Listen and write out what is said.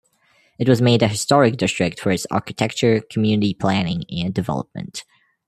It was made a historic district for its Architecture, Community Planning, and Development.